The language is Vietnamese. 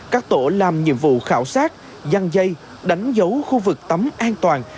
các tổ làm nhiệm vụ khảo sát dăn dây đánh dấu khu vực tắm an toàn